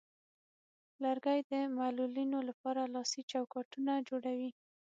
لرګی د معلولینو لپاره لاسي چوکاټونه جوړوي.